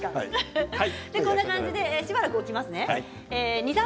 こんな感じで２、３分置きますね。